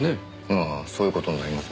まあそういう事になりますね。